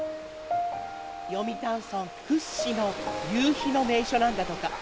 読谷村屈指の夕日の名所なんだとか。